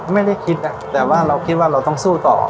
ไม่ได้คิดนะแต่ว่าเราคิดว่าเราต้องสู้ต่อ